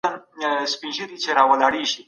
بې وزله خلګو ته مرستي رسیدلې.